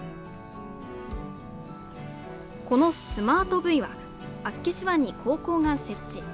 このスマートブイは厚岸湾に高校が設置。